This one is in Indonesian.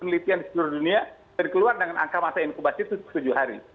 penelitian di seluruh dunia terkeluar dengan angka masa intubasi itu tujuh hari